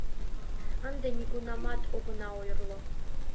Ынде нигунамат огына ойырло.